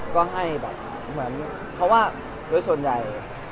ก็ให้แบบเพราะว่าโดยส่วนใหญ่